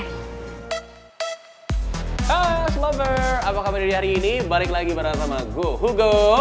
halo slobber apa kabar dari hari ini balik lagi bersama gue hugo